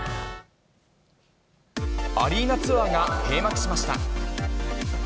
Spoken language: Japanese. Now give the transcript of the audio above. アリーナツアーが閉幕しまし